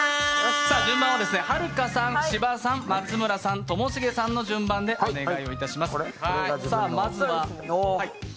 順番は、はるかさん、芝さん、松村さん、ともしげさんの順番でお願いします。